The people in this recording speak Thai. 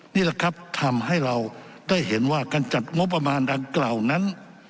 นี่แหละครับทำให้เราได้เห็นว่าการจัดงบประมาณดังกล่าวนั้น